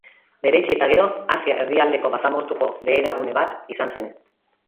Bereizi eta gero, Asia Erdialdeko basamortuko beheragune bat izan zen.